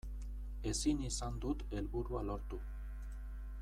Ezin izan dut helburua lortu.